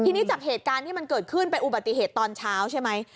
ทีนี้จากเหตุการณ์ที่มันเกิดขึ้นเป็นอุบัติเหตุตอนเช้าใช่ไหม